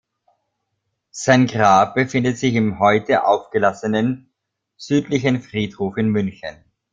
Sein Grab befindet sich im heute aufgelassenen Südlichen Friedhof in München.